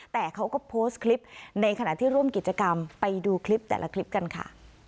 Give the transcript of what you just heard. แต่เขาก็โพสต์คลิปในขณะที่ร่วมกิจกรรมไปดูคลิปแต่ละคลิปกันค่ะ